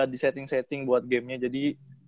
di setting setting buat gamenya jadi